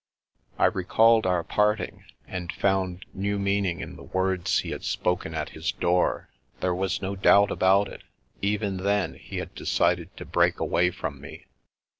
I recalled our parting, and found new meaning in the words he had spoken at his door. There was no doubt about it; even then he had decided to break away from me.